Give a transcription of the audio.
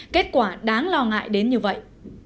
kết quả đáng lo ngại đến như vậy